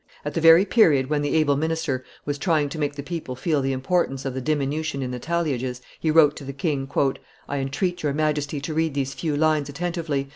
At the very period when the able minister was trying to make the people feel the importance of the diminution in the talliages, he wrote to the king, "I entreat your Majesty to read these few lines attentively.